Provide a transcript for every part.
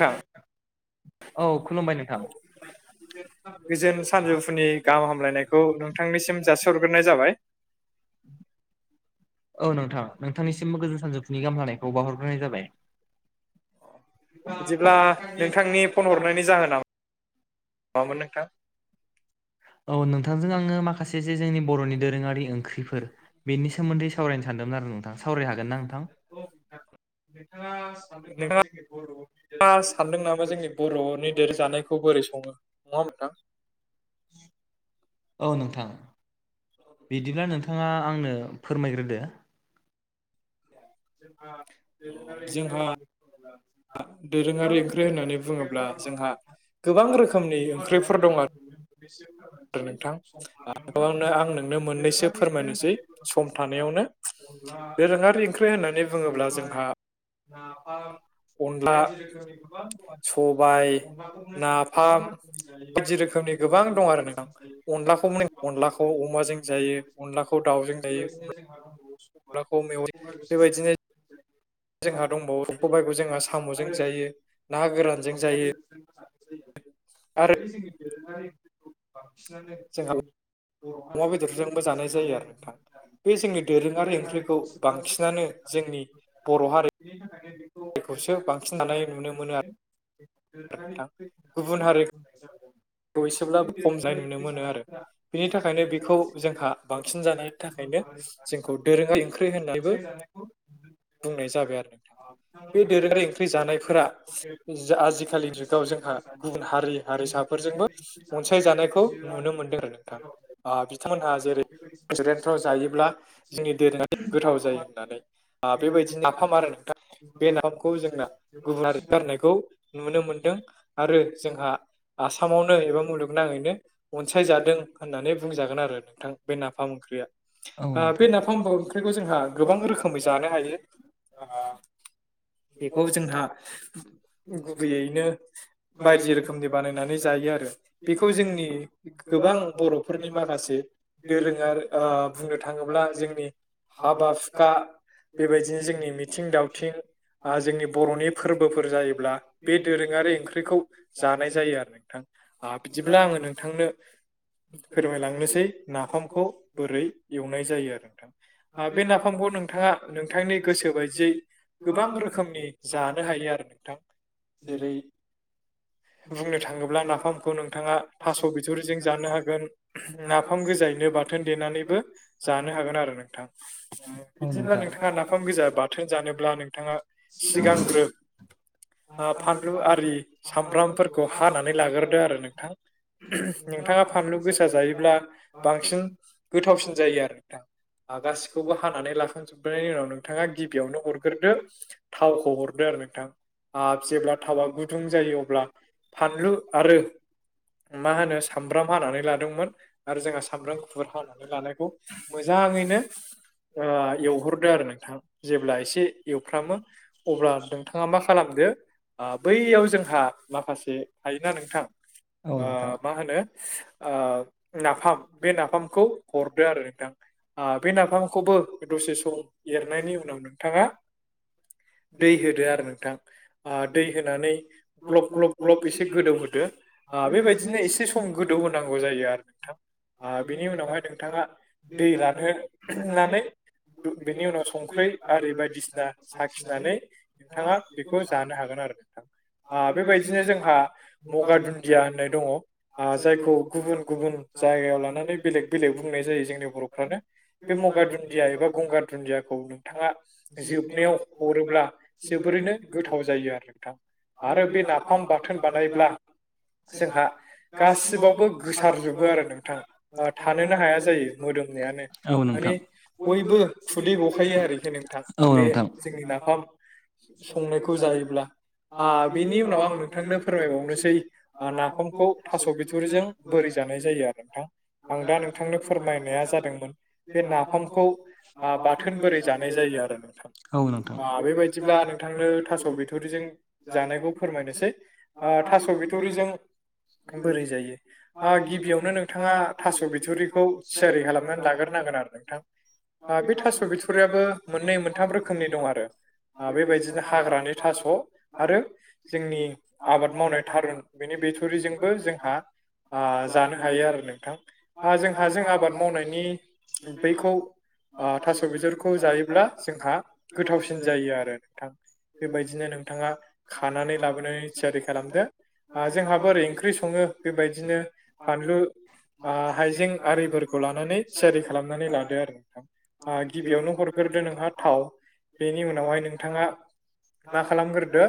नोंथां औ खुलुमबाय नोंथां [unintelligible] गोजोन सानजौफुनि गाहाम हामलायनायखौ नोंथांनिसिम जासिहरग्रोनाय जाबाय [inaudible] औ नोंथां नोंथांनिसिमबो गोजोन सानजौफुनि गाहाम हामलायनायखौ बावहरग्रोनाय जाबाय बिदिब्ला नोंथांनि फन हरनायनि जाहोना मामोन नोंथां औ नोंथांजों आङो माखासे जे जोंनि बर'नि दोरोङारि ओंख्रिफोर बेनि सोमोन्दै सावरायनो सानदोंमोन आरो नोंथां सावरायनो हागोन ना नोंथां औ नोंथां नोंथाङा नोंथाङा सानदों नामा जोंनि [unintelligible] बर'नि [unintelligible] जानायखौ बोरै सङो नङा होनबा नोंथां औ नोंथां बिदिब्ला नोंथाङा आंनो फोरमायग्रोदो जोंहा दोरोङारि ओंख्रि जोंहा होननानै बुंङोब्ला जोंहा गोबां रोखोमनि ओंख्रिफोर दङ आरो हा गोबां रोखोमनि ओंख्रिफोर दं आरो बिसे [unintelligible] आरो नोंथांनो आं नोंनो मोननैसो फोरमायनोसै सम थानायावनो अनला ख्रि होनानै सबाय नाफाम अनला बायदि रोखोमनि गोबां अनलाखौनो जोंहा फार बायदि रोखोमनि गोबां दं आरो नों अनलाखौ मोन अनलाखौ अमाजों जायो अनलाखौ दाउजों जायो अनलाखौ मेवाइ बेबायदिनो जोंहा दंबावो सबाइखौ जोंहा साम'जों जायो ना गोरानजों जायो बे आरो जोंनि दोरोङारि बांसिनानो जोंहा जों बर' अमा हारिखौसो बेदरजोंबो बांसिन जायो जानाय आरो नुनो नोंथां मोनो बे आरो जोंनि दोरोङारि गुबुन ओंख्रिखौ हारिखौ एसेब्लाबो बांसिनानो जोंनि बर' हारि बिनि थाखायनो खौसो बांसिन जानाय नुनो मोनो आरो दोरोङारि नोंथां ओंख्रि होननानैबो बुंनाय जादों बे एसेब्लाबो खम जानाय नुनो मोनो आरो बिनि थाखायनो बेखौ जोंहा बांसिन जानायनि थाखायनो जोंखौ दोरोङारि ओंख्रि होननानैबो बुंनाय जागोन आरो नोंथां बे दोरोङारि ओंख्रि जानायफोरा आजिखालि जुगाव जोंहा गुबुन हारि हारिसा फोरजोंबो अनसायजानायखौ नुनो मोनदों आरो नोंथां ओ बिथांमोनहा जेरै रेसन्टुरेनफ्राव [unintelligible] जायोब्ला जोंनि दोरोङारि गोथाव जायो होननानै ओ बेबायदि नाफाम आरो नोंथां बे नाफामखौ जोंना गुबुुनारि गारनायखौ नुनो मोनदों आरो जोंहा आसामावनो एबा मुलुगनाङैनो अनसायजादों होननानै बुंजागोन आरो नोंथां बे नाफाम औ ओंख्रिया बे नाफाम ओंख्रिखौ जोंहा गोबां रोखोमै जानो हायो बेखौ जोंहा गुबैयैनो बायदि रोखोमनि बानायनानै जायो आरो बेखौ जोंनि गोबां बर'फोरनि माखासे दोरों आ बुंनो थाङोब्ला जोंनि हाबा हुखा बेबायदिनो जोंनि मिथिं दावथिं आ जोंनि बर'नि फोरबोफोर जायोब्ला बे दोरोङारि ओंख्रिखौ जानाय जायो आरो नोंथां बिदिब्ला आङो नोंथांनो फोरमायलांनोसै नाफामखौ बोरै एवनाय जायो आरो नोंथां आ बे नाफामखौ नोंथाङा नोंथांनि गोसो बायदियै गोबां रोखोमनि जानो हायो आरो नोंथां जेरै बुंनो थाङोब्ला नाफामखौ नोंथाङा थास' बिथ'रिजों जानो हागोन नाफाम गोजायैनो बाथोन देनानैबो जानो हागोन आरो नोंथां बिदिब्ला नोंथाङा नाफाम गोजा बाथोन जानोब्ला नोंथाङा सिगांग्रो ओ फानलु आरि सामब्रामफोरखौ हानानै लाग्रोदो आरो नोंथां नोंथाङा फानलु गोसा जायो ब्ला बांसिन गोथावसिन जायो आरो नोंथां आ गासिखौबो हानानै लाखांजोबनायनि उनाव नोंथाङा गिबियावनो हरग्रोदो थावखौ हरदो आरो नोंथां आ जेब्ला थावया गुदुं जायो अब्ला फानलु आरो मा होनो सामब्राम हानानै लादोंमोन आरो जोंहा सामब्राम गुफुर हानानै लानाय खौ मोजाङैनो एवहरदो आरो नोंथां जेब्ला एसे एवफ्रामो अब्ला नोंथाङा मा खालामदो आ बैयाव जोंहा माखासे [unintelligible] नोंथां औ ओ नोंथां मा होनो नाफाम बे नाफामखौ हरदो आरो नोंथां आ बे नाफामखौबो दसे सम एरनायनि उनाव नोंथाङा दै होदो आरो नोंथां ओ दै होनानै ग्ल'ब ग्ल'ब ग्ल'ब एसे गोदौहोदो ओ बेबायदिनो इसे सम गोदौ होनांगौ जायो आरो नोंथां ओ बिनि उनावहाय नोंथाङा दै रानहोनानै बेनि उनाव संख्रै आरि बायदिसिना साखि नानै नोंथाङा बेखौ जानो हागोन आरो नोंथां ओ बेबायदिनो जोंहा मगा दुन्दिया होननाय दङ' ओ जायखौ गुबुन गुबुन जायगायाव लानानै बेलेग बेलेग बुंनाय जायो जोंनि बर'फ्रानो बे मगा दुन्दिया एबा गंगार दुन्दियाखौ नोंथाङा जोबनायाव हरोब्ला जोबोरैनो गोथाव जायो आरो नोंथां आरो बे नाफाम बाथोन बानायब्ला जोंहा गासिबावबो गोसारजोबो आरो नोंथां ओ थानोनो हाया जायो मोदोमनायानो औ माने नोंथां बयबो खुदै गखायो आरोखि नोंथां औ बे नोंथां जोंनि नाफाम संनायखौ जायोब्ला आ बेनि उनाव आं नोंथांनो फोरमायबावनोसै नाफामखौ थास' बिथुरिजों बोरै जानाय जायो आरो नोंथां आं दा नोंथांनो फोरमायनाया जादोंमोन बे नाफामखौ ओ बाथोन बोरै जानाय जायो आरो ओ नोंथां औ नोंथां ओ बेबायदिब्ला नोंथांनो थास' बिथ'रिजों जानायखौ फोरमायनोसै ओ थास' बिथ'रिजों बोरै जायो ओ गिबियावनो नोंथाङा थास' बिथुरिखौ थियारि खालामनानै लाग्रोनांगोन आरो नोंथां ओ बे थास' बिथुरियाबो मोननै मोनथाम रोखोमनि दं आरो ओ बेबायदिनो हाग्रानि थास' आरो जोंनि आबाद मावनाय थारुन बेनि बिथुरिजोंबो जोंहा आ जानो हायो आरो नोंथां ओ जोंहा जों आबाद मावनायनि बेखौ ओ थास' बिथरिखौ जायोब्ला जोंहा गोथावसिन जायो आरो नोंथां बेबायदिनो नोंथाङा खानानै लाबोनानै थियारि खालामदो ओ जोंहा बोरै ओंख्रि सङो बेबायदिनो बानलु ओ हाइजें आरिफोरखौ लानानै थियारि खालामनानै लादो आरो नोंथां ओ गिबियावनो हरग्रोदो नोंथाङा थाव बेनि उनावहाय नोंथाङा मा खालामग्रोदो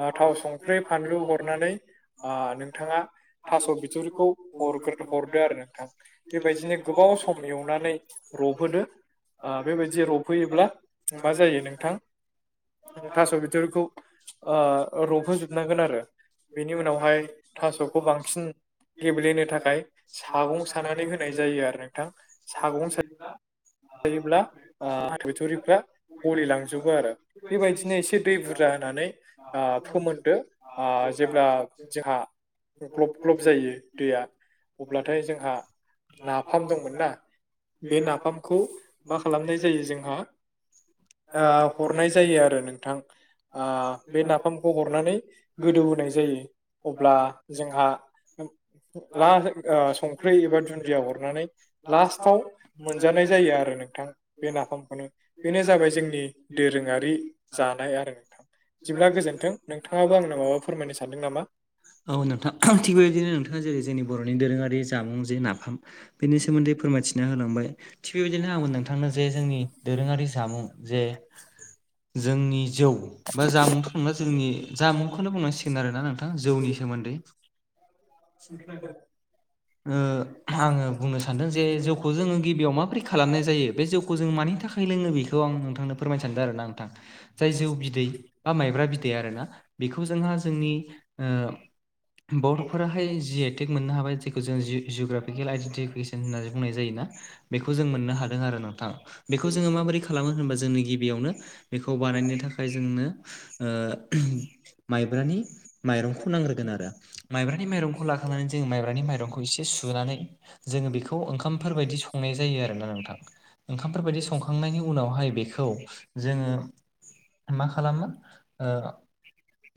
ओ थाव सं सुंख्रै फानलु हरनानै ओ नोंथाङा थास' बिथुरिखौ हरग्रो हरदो आरो नोंथां बेबायदिनो गोबाव सम एवनानै रबहोदो ओ बेबायदि रबहोयोब्ला मा जायो नोंथां थास' बिथ'रिखौ ओ रबहोजोबनांगोन आरो बेनि उनावहाय थास'खौ बांसिन गेब्लेहोनो थाखाय सागं सानानै होनाय जायो आरो नोंथां सागं सा [unintelligible] सायोब्ला ओ बिथ'रिफ्रा गलिलांजोबो आरो बेबायदिनो एसे दै बुरजा होनानै ओ फोमोनदो ओ जेब्ला जोंहा ग्ल'ब ग्ल'ब जायो दैया अब्लाथाय जोंहा नाफाम दंमोन ना बे नाफामखौ मा खालामनाय जायो जोंहा ओ हरनाय जायो आरो नोंथां ओ बे नाफामखौ हरनानै गोदौ होनाय जायो। अब्ला जोंहा ला ओ संख्रै एबा दुुन्दिया हरनानै लास्टाव जानाय जायो आरो नोंथां बे नाफामखौनो बेनो जाबाय जोंनि दोरोङारि जानाय आरो नोंथां बिदिब्ला गोजोन्थों नोंथाङाबो आंनो माबा फोरमायनो सानदों नामा औ नोंथां थिग बेबायदिनो नोंथाङा जेरै जोंनि बर'नि दोरोङारि जामुं जे नाफाम बेनि सोमोनदै फोरमायथि ना होलांबाय थिग बेबायदिनो आंोन नोंथांनो जे जोंनि दोरोङारि जामुं जे जोंनि जौ बा जामुंथ' नंला जोंनि जामुंखौनो बुंनांसिगोन आरोना नोंथां जौनि सोमोन्दै [unintelligible] आङो बुंनो सानदों जे जौखौ जोङो गिबियाव माबोरै खालामनाय जायो बे जौखौ जों मानि थाखाय लोङो बेखौ आं नोंथांनो फोरमाय सानदों आरोना नोंथां जाय जौ बिदै बा माइब्रा बिदै आरोना बेखौ जोंहा जोंनि बर'फोराहाय जिआइटेक मोननो हाबाय जखौ जों जिअग्राफिकेल आइडेन्टिफिकेसन होननानै बुंनाय जायोोना बेखौ जों मोननो हादों आरो नोंथां बेखौ जोङो माबोरै खालामो होनबा जोंनि गिबियावनो बेखौ बानायनो थाखाय जोंनो माइब्रानि माइरंखौ नांग्रोगोन आरो माइब्रानि माइरंखौ लाखांनानै जोंङ माइब्रानि माइरंखौ एसे सुनानै जोङो बेखौ ओंखामफोर बायदि संनाय जायो आरोना नोंथां ओंखामफोर बायदि संखांनायनि उनावहाय बेखौ जोङो मा खालामो ओ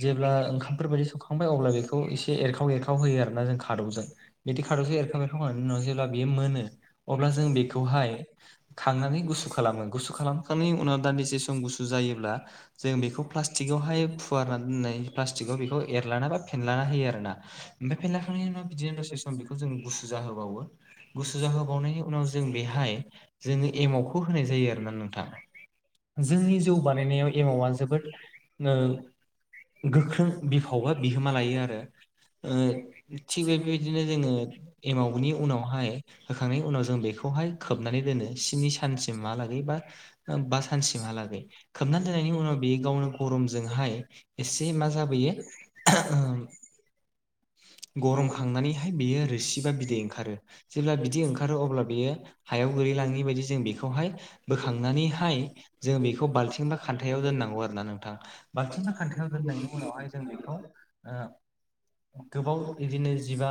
जेब्ला ओंखामफोर बायदि संखांबाय अब्ला बेखौ एसे एरखाव एरखाव होयो आरोना जों खादौजों बिदि खादौसो एरखाव एरखाव होनायनि उनाव जेब्ला बियो मोनो अब्ला जों बेखौहाय खांनानै गुसु खालामो गुसु खालाम खांनायनि उनाव गोदान बेसे सम गुसु जायोब्ला जों बेखौ प्लासटिक आवहाय कुवारना दोननाय प्लास्टिकआव बेखौ एरलाना बा फेनलाना होयो आरोना ओमफ्राय फेरलाखांनायनि उनाव बिदिनो दसे सम बेखौ जोंङो गुसु जाहोबावो गुसु जाहोबावनायनि उनाव जों बेहाय जोङो एमावखौ जायो आरोना नोंथां जोंनि जौ बानायनायाव एमावा जोबोद गोख्रों बिफाव बा बिहोमा लायो आरो थिग बे बेबायदिनो जोङो एमावनि उनावहाय होखांनायनि उनाव जों बेखौहाय खोबनानै दोनो सिमनि सानसिम हालागै बा बा सानसिमहालागै खोबनानै दोननायनि उनाव बेयो गावनो गरमजोंहाय एसे मा जाबोयो [inaudible] गरम खांनानैहाय बेयो रोसि बा बिदै ओंखारो जेब्ला बिदि ओंखारो अब्ला बियो हायाव गोलैलाङि बायदि जों बेखौहाय बोखांनानैहाय जों बेखौ बाल्थिं बा खान्थायाव दोननांगौ आरोना नोंथां बांल्थिंबा खान्थायाव दोननायनि उनावहाय जों बेखौ गोबाव बिदिनो जिबा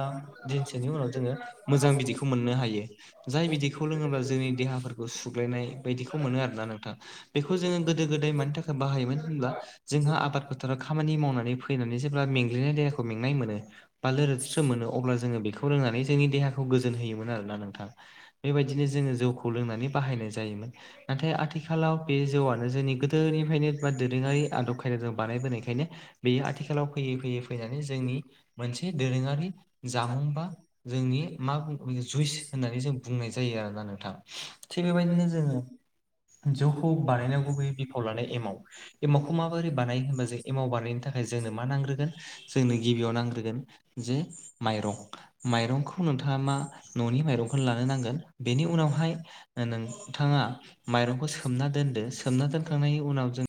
दिनसोनि उनाव जोङो मोजां बिदैखौ मोननो हायो जाय बिदिखौ लोङोब्ला जोंनि देहाफोरखौ सुग्लायनाय बायदिखौ मोनो आरोना नोंथां बेखौ जोंङो गोदो गोदाय मानि थाखाय बाहायोमोन होनब्ला जोंहा आबाद फोथाराव खामानि मावनानै फैनानै जेब्ला मेंग्लिनाय देहाखौ मेंनाय मोनो बा लोरस्रोम मोनो अब्ला जोंङो बेखौ रोंनानै जोंनि देहाखौ गोजोन होयोमोन आरोना नोंथां बेबायदिनो जोंङो जौखौ लोंनानै बाहायनाय जायोमोन नाथाय आथिखालाव बे जौआ जोंनि गोदोनिफ्रायनो बा दोरोङारि आदब खायदाजों बानायबोनायखायनो बेयो आथिखालाव फैयै फैयै फैनानै जोंनि मोनसे दोरोङारि जामुं बा जोंनि मा जुइस होननानै जों बुंनाय जायो आरोना नोंथां थिग बेबायदिनो जोंङो जौखौ बानायनांग गुबैयै बिफाव लानाय एमाव एमावखौ माबोरै बानायो होनबा जों एमाव बानायनो थाखाय जोंनो मा नांग्रोगोन जोंनो गिबियाव नांग्रोगोन जे माइरं माइरंखौ नोंथाङा मा न'नि माइरंखौनो लानो नांगोन बेनि उनावहाय नोंथांङा माइरंखौ सोमना दोनदो सोमना दोनखांनायनि उनाव जों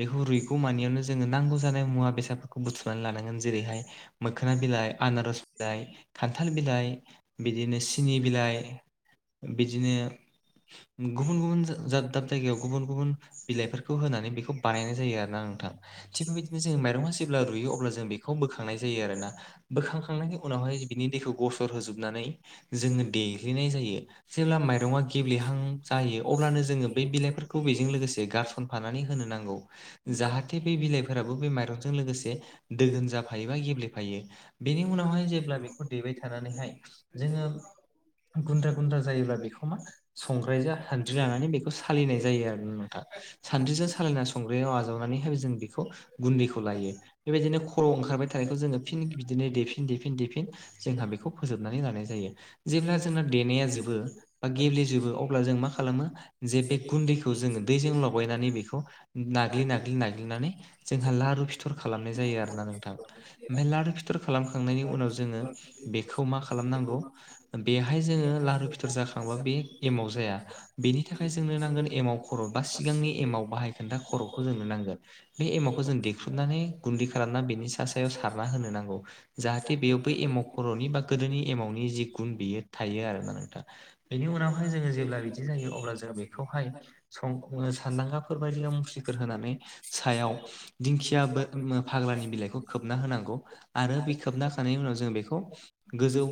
बेखौ रुगौ मानियावनो जोंङो नांगौ जानाय मुवा बेसादफोरखौ बुथुमनानै लानांगोन जेरैहाय मोखोना बिलाइ आनारस बिलाइ खान्थाल बिलाइ बिदिनो सिनि बिलाइ बिदिनो गुबुन गुबुन दाब जायगायाव गुबुन गुबुन बिलाइफोरखौ होनानै बेखौ बानायनाय जायो आरोना नोंथां थिग बेबायदिनो जों माइरंआ जेब्ला रुइयो अब्ला जों बेखौ बोखांनाय जायो। आरोना बोखांखांनायनि उनावहाय बिनि दैखौ गसर होजोबनानै जोंङो देग्लिनाय जायो जेब्ला माइरंआ गेब्लेहां जायो अब्लानो जोंङो बै बिलाइफोरखौ थ बेजों लोगोसे गारसनफानानै होनो नांगौ। जाहाथे बे बिलाइफोराबो बे माइरंजों लोगोसे दोगोन जाफायो बा गेब्लेफायो। बेनि उनावहाय जेब्ला बेखौ दैबाय थानानैहाय जोंङो गुन्द्रा गुन्द्रा जायोब्ला बेखौ मा संग्राय जा सानद्रि लनानै बेखौ सालिनाय जायो आरो नोंथांङा सानद्रिजों सालायना संग्रायाव आजावनानैहाय जों बेखौ गुन्दैखौ लायो बेबायदिनो खर' ओंखारबाय थानायखौ जोंङो फिन बिदिनो देफिन देफिन देफिन जोंहा बेखौ फोजोबनानै लानाय जायो। जेब्ला जोंना देनाया जोबो बा गेब्लेजोबो अब्ला जों मा खालामो जे बे गुन्दैखौ जोंङो दैजों लगायनानै बेखौ नाग्लि नाग्लि नाग्लिनानै जोंहा लारु फिथर खालामनाय जायो आरोना नोंथां ओमफ्राय लारु फिथर खालामखांनायनि उनाव जोंङो बेखौ मा खालामनांगौ बेहाय जोंङो लारु फिथर जाखांबा बे एमाव जाया बेनि थाखाय जोंनो नांगौ। खा सिगांनि एमाव बाहाय खोनथा खर'खौ जोंनो नांगोन बे एमावखौ जों खुरनानै गुन्दै खालामना बेनि सा सायाव सारना होनो नांगौ जाहाथे बेयाव बै एम। खर'नि बा गोदोनि एमावउटनि जि गुन बेयो थायो आरोना नोंथांङा बेनि उनावहाय जोंङो जेब्ला बिदि जायो अब्ला जो बे बेखौहाय सं सानदांगाफोर बदियाव मुस्रिफोर होनानै सायाव दिंखिया फाग्लानि बिलाइखौ खोबना होनांगौ आरो बे खोबना होखांनायनि उनाव जों बेखौ गोजौ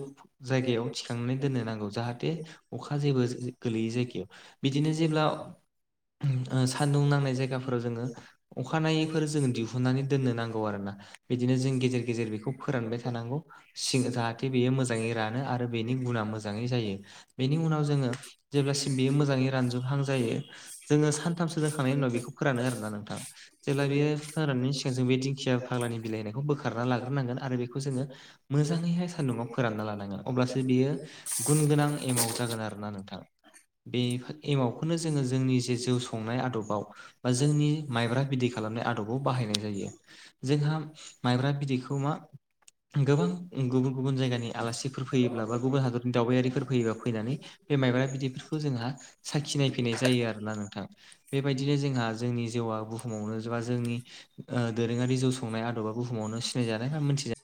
जायगायाव थिखांनानै दोननो नांगौ जाहाथे अखा जेबो गोलैै जायगायाव बिदिनो जेब्ला सान्दुं नांनाय जायगाफोराव जोंङो अखानायैफोर जों दिहुननानै दोननो नांगौ आरोना बिदिनो जों गेजेर गेजेर बेखौ फोरानबाय थानांगौ सिं जाहाथे बेयो मोजांङै रानो आरो बेनि गुना मोजांङै जायो बेनि उनाव जोंङो जेब्लासिम बेयो मोजांङै हां जायो जोंङो सानथामसो दोंखांनायनि उनाव बेखौ फोरानो आरोना नोंथां जेब्ला बियो फनायनि सिगां जों बे दिंखिया फाग्लानि बिलाइनायखौ बोखारना लाग्रोनांगोन आरो बेखौ जोंङो मोजांङै हाय सान्दुंङा आव फोरानना लानांगोन अब्लासो बियो गुन गोनां एमाव जागोन आरोना नोंथां बे एमावखौनो जोङो जोंनि जे जौ संनाय आदबाव बा जोंनि माइब्रा बिदै खालामनाय आदबाव बाहायनाय जायो। जोंहा माइब्रा बिदैखौ मा गोबां गुबुन गुबुन जायगानि आलासिफोर फैयोब्ला बा गुबुन हादरनि दावबायारिफोर फैयोबा फैनानै बे माइब्रा बिदैफोरखौ जोंहा साखिनायफैनाय जायो आरोना नोंथां। बेबायदिनो जोंहा जोंनि जौया बुहुमावनो बा जोंनि ओ दोरोङारि जौ संनाय आदबा बुहुमावनो सिनायजानाय बा मोनथिजानाय।